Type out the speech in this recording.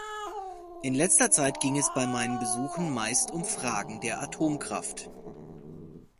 In letzter Zeit ging es bei meinen Besuchen meist um Fragen der Atomkraft.